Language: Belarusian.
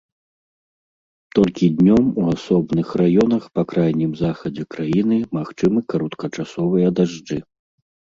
Толькі днём у асобных раёнах па крайнім захадзе краіны магчымы кароткачасовыя дажджы.